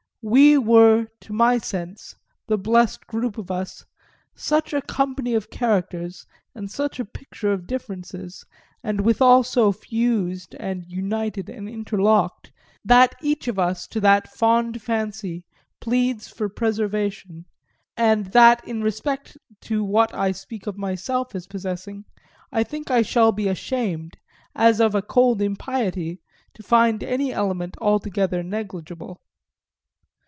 We were, to my sense, the blest group of us, such a company of characters and such a picture of differences, and withal so fused and united and interlocked, that each of us, to that fond fancy, pleads for preservation, and that in respect to what I speak of myself as possessing I think I shall be ashamed, as of a cold impiety, to find any element altogether negligible.